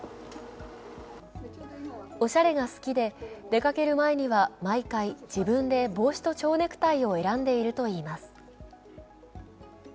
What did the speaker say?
おしゃれが好きで、出かける前には毎回自分で帽子と蝶ネクタイを選んでいるといいます。